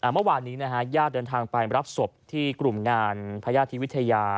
เมื่อวานนี้ญาติเดินทางไปรับศพที่กลุ่มงานพญาติธิวิทยา